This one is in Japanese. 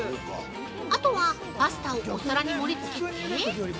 あとは、パスタをお皿に盛りつけて。